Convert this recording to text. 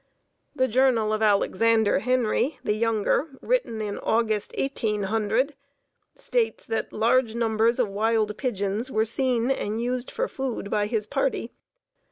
The journal of Alexander Henry, the younger, written in August, 1800, states that large numbers of wild pigeons were seen and used for food by his party.